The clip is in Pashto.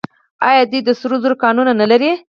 آیا دوی د سرو زرو کانونه نلري؟